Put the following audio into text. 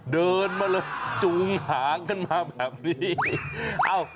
เดินมาเลยจูงหาขึ้นมาแบบนี้